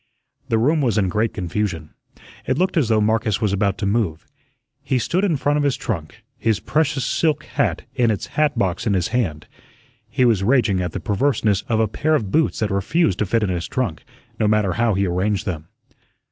The room was in great confusion. It looked as though Marcus was about to move. He stood in front of his trunk, his precious silk hat in its hat box in his hand. He was raging at the perverseness of a pair of boots that refused to fit in his trunk, no matter how he arranged them.